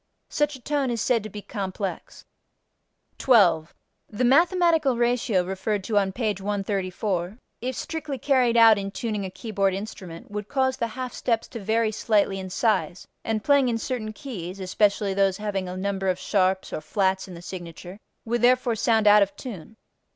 Such a tone is said to be complex. 12. The mathematical ratio referred to on page 134, if strictly carried out in tuning a keyboard instrument would cause the half steps to vary slightly in size, and playing in certain keys (especially those having a number of sharps or flats in the signature) would therefore sound out of tune.